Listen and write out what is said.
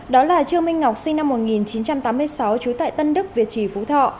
đó là trương minh ngọc sinh năm một nghìn chín trăm tám mươi sáu trú tại tân đức việt trì phú thọ